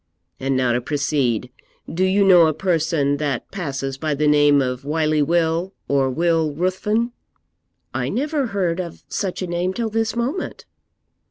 And now to proceed. Do you know a person that passes by the name of Wily Will, or Will Ruthven?' 'I never heard of such a name till this moment.'